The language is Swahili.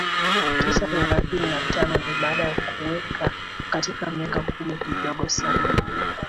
tisa thelathini na tano ni baada ya kuweka katika miaka kumi Kidogo sana juu